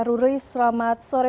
ruli selamat sore